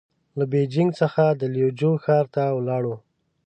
له بېجينګ څخه د ليوجو ښار ته ولاړو.